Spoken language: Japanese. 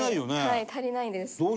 はい足りないです。